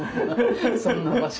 そんな場所かな。